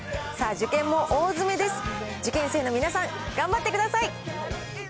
受験生の皆さん、頑張ってください。